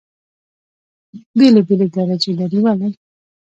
بېلې بېلې درجې لري. ولې؟